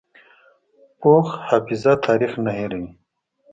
پوخ حافظه تاریخ نه هېروي